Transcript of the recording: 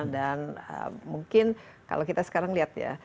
dan mungkin kalau kita sekarang lihat ya